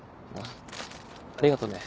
ありがとね